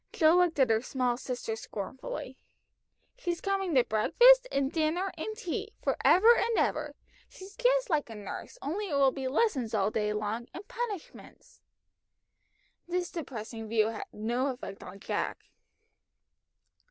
Jill looked at her small sister scornfully. "She's coming to breakfast, and dinner, and tea, for ever and ever; she's just like a nurse, only it will be lessons all day long, and punishments." This depressing view had no effect on Jack.